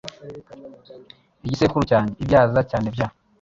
"Igisekuru cyanjye: Ibyiza cyane bya ..."